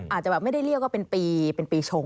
อาจจะแบบไม่ได้เรียกว่าเป็นปีเป็นปีชง